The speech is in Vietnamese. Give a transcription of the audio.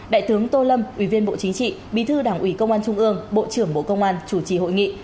đại tướng tô lâm ủy viên bộ chính trị bí thư đảng ủy công an trung ương bộ trưởng bộ công an chủ trì hội nghị